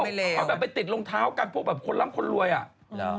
เพราะแบบไปติดรองเท้ากันพวกแบบคนล้ำคนรวยอ่ะ